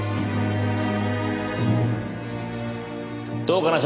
どうかな？